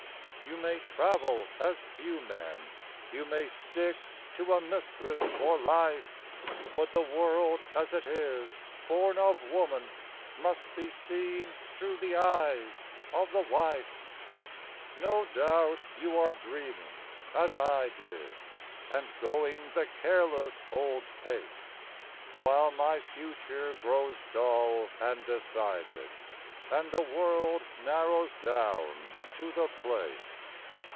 You may travel as few men, You may stick to a mistress for life; But the world, as it is, born of woman Must be seen through the eyes of the wife. No doubt you are dreaming as I did And going the careless old pace, While my future grows dull and decided, And the world narrows down to the Place.